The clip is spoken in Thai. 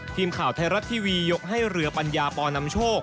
ทีมข่าวไทยรัฐทีวียกให้เรือปัญญาปอนำโชค